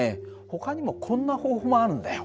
ほかにもこんな方法もあるんだよ。